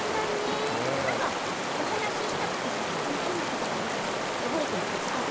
お話ししたりどんなことを話したとか覚えていることはある？